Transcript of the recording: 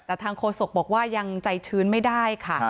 แต่ทางโฆษกบอกว่ายังใจชื้นไม่ได้ค่ะ